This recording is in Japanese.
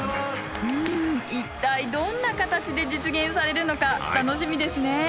うん一体どんな形で実現されるのか楽しみですね。